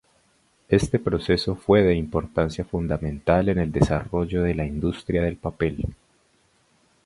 Este proceso fue de importancia fundamental en el desarrollo de la industria del papel.